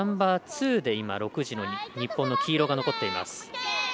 ナンバーツーで６時の日本の黄色が残っています。